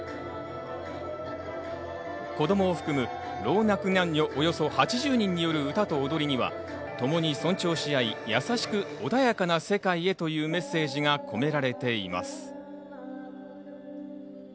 子供を含む、老若男女およそ８０人による歌と踊りには、ともに尊重し合い、優しく穏やかな世界へというメッセージが込められています。